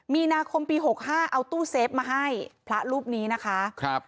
มีนาคมปี๖๕เอาตู้เซฟมาให้พระรูปนี้นะคะครับ